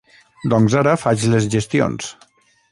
Doncs ara faig les gestions.